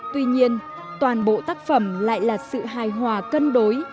tuy nhiên toàn bộ tác phẩm lại là sự hài hòa cân đối